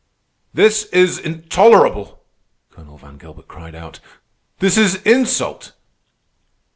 "This is intolerable!" Colonel Van Gilbert cried out. "This is insult!"